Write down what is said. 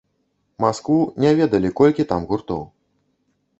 Маскву, не ведалі, колькі там гуртоў.